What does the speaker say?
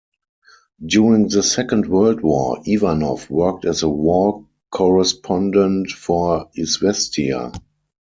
During the Second World War, Ivanov worked as a war correspondent for Izvestia.